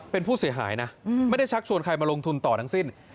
เป็นผู้เสียหายนะไม่ได้ชักชวนใครมาลงทุนต่อทั้งสิ้น